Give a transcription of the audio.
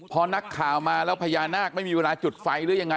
พอนักข่าวมาแล้วพญานาคไม่มีเวลาจุดไฟหรือยังไง